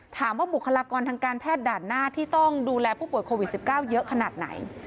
บุคลากรทางการแพทย์ด่านหน้าที่ต้องดูแลผู้ป่วยโควิด๑๙เยอะขนาดไหน